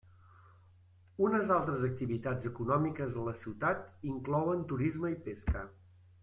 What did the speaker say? Unes altres activitats econòmiques a la ciutat inclouen turisme i pesca.